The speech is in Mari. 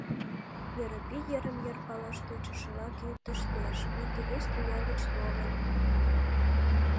Йоропий йырым-йыр палаш тӧчышыла кӱтыштеш, пуйто вес тӱня гыч толын.